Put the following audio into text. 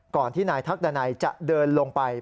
ที่นายทักดันัยจะเดินลงไป